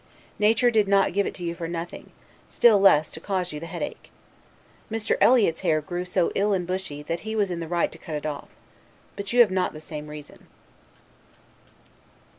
Nature did not give it to you for nothing, still less to cause you the headache. Mr. Eliot's hair grew so ill and bushy, that he was in the right to cut it off. But you have not the same reason.